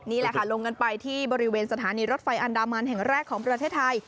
นี่แหละค่ะลงกันไปที่บริเวณสถานีรถไฟอันดามันแห่งแรกของประเทศไทย